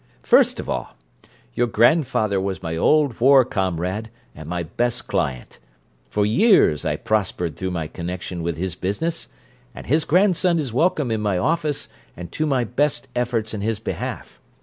First of all, your grandfather was my old war comrade and my best client; for years I prospered through my connection with his business, and his grandson is welcome in my office and to my best efforts in his behalf.